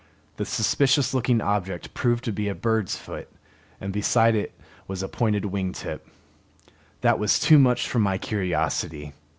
The suspicious looking object proved to be a bird's foot, and beside it was a pointed wing tip. That was too much for my curiosity.